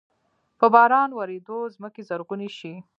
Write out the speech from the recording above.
په باران ورېدلو زمکې زرغوني شي۔